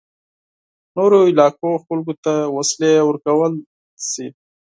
نورو علاقو خلکو ته وسلې ورکړل شي.